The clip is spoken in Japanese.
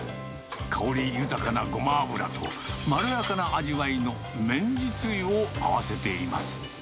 香り豊かなごま油と、まろやかな味わいの綿実油を合わせています。